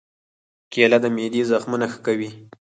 کېله د معدې زخمونه ښه کوي.